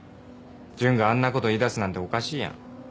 純があんなこと言いだすなんておかしいやん。